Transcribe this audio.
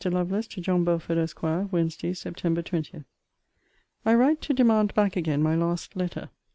LOVELACE, TO JOHN BELFORD, ESQ. WEDNESDAY, SEPT. 20. I write to demand back again my last letter.